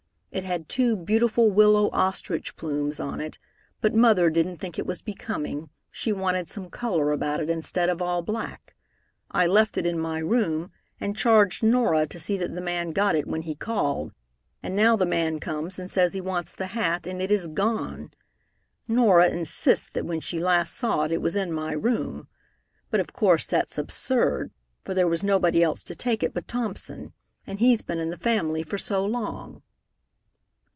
It had two beautiful willow ostrich plumes on it, but mother didn't think it was becoming. She wanted some color about it instead of all black. I left it in my room, and charged Norah to see that the man got it when he called, and now the man comes and says he wants the hat, and it is gone! Norah insists that when she last saw it, it was in my room. But of course that's absurd, for there was nobody else to take it but Thompson, and he's been in the family for so long."